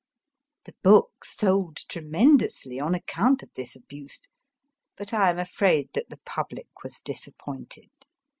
The book sold tremendously on account of this abuse, but I am afraid that the public was disappointed.